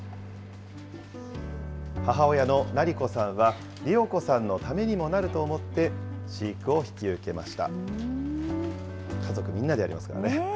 母親のなりこさんは理桜子さんのためにもなると思って、飼育を引き受けました。